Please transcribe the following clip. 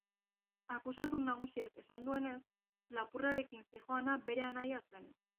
Akusatu nagusiak esan duenez, lapurrarekin zihoana bere anaia zen.